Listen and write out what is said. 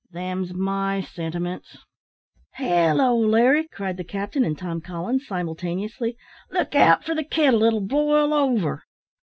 Them's my sentiments." "Halloo! Larry," cried the captain and Tom Collins simultaneously, "look out for the kettle. It'll boil over."